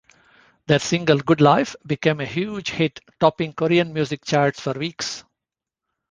Their single "Good Life" became a huge hit, topping Korean music charts for weeks.